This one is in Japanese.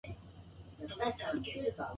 沖縄と北海道どっちが好き？